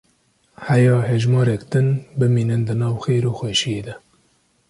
Heya hejmarek din bimînin di nav xêr û xweşîyê de.